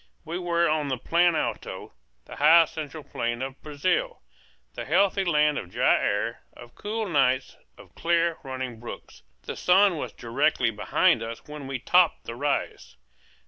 We were on the Plan Alto, the high central plain of Brazil, the healthy land of dry air, of cool nights, of clear, running brooks. The sun was directly behind us when we topped the rise.